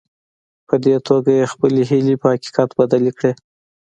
په دې توګه يې خپلې هيلې په حقيقت بدلې کړې.